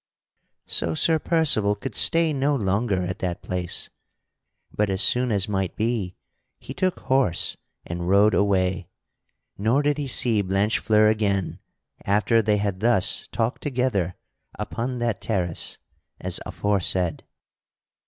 So Sir Percival could stay no longer at that place; but as soon as might be, he took horse and rode away. Nor did he see Blanchefleur again after they had thus talked together upon that terrace as aforesaid.